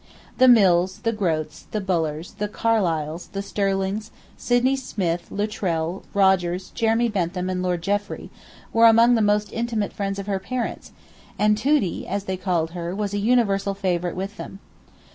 The Mills, the Grotes, the Bullers, the Carlyles, the Sterlings, Sydney Smith, Luttrell, Rogers, Jeremy Bentham, and Lord Jeffrey, were among the most intimate friends of her parents, and 'Toodie,' as they called her, was a universal favourite with them.